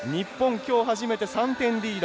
きょう初めて３点リード。